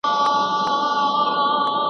دا ماډل بریالی شو.